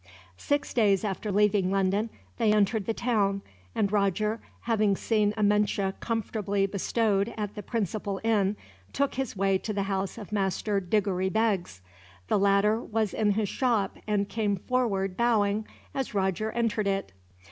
Six days after leaving London they entered the town, and Roger, having seen Amenche comfortably bestowed at the principal inn, took his way to the house of Master Diggory Beggs. The latter was in his shop, and came forward, bowing, as Roger entered it.